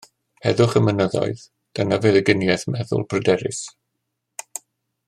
Heddwch y mynyddoedd, dyna feddyginiaeth meddwl pryderus.